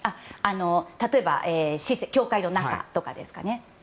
例えば教会の中とかですかね。